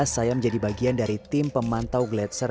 saya menjadi bagian dari tim pemantau glaatser